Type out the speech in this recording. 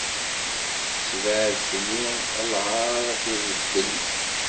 Ssebɛed fell-i lɛar akked ddel.